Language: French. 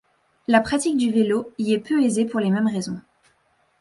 La pratique du vélo y est peu aisée pour les mêmes raisons.